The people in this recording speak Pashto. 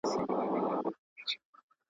له آمو تر مست هلمنده مامن زما دی.